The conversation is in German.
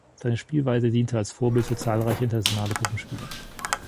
Seine Spielweise diente als Vorbild für zahlreiche internationale Puppenspieler.